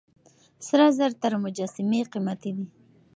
سره زر تر مجسمې قيمتي دي.